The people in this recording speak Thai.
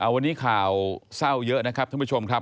วันนี้ข่าวเศร้าเยอะนะครับท่านผู้ชมครับ